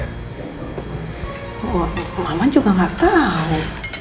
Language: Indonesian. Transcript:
oh mama juga gak tau